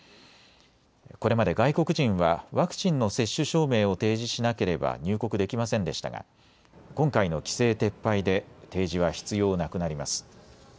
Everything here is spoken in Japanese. これまで外国人はワクチンの接種証明を提示しなければ入国できませんでしたが今回の規制撤廃で提示は必要なくなります。